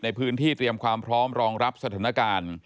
ในพื้นที่เตรียมความพร้อมรองรับสถานการณ์